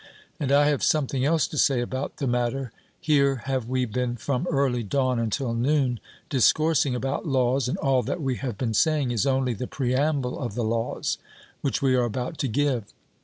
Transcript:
And I have something else to say about the matter. Here have we been from early dawn until noon, discoursing about laws, and all that we have been saying is only the preamble of the laws which we are about to give.